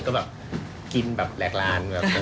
ก็แบบกินแบบแหลกลานแบบ